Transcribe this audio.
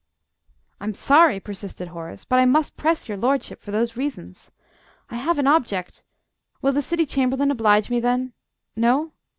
"I am sorry," persisted Horace, "but I must press your lordship for those reasons. I have an object.... Will the City Chamberlain oblige me, then?... No?